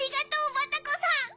バタコさん。